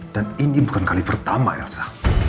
dan ini bukan kali pertama elsa